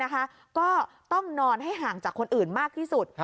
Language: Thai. ก็ต้องนอนให้ห่างจากคนอื่นมากที่สุด